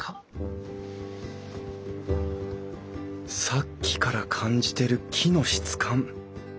さっきから感じてる木の質感